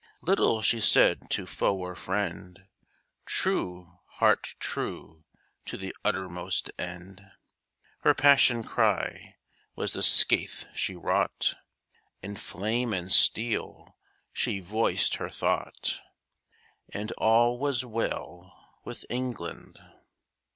Little she said to foe or friend, True, heart true, to the uttermost end, Her passion cry was the scathe she wrought, In flame and steel she voiced her thought And all was well with England.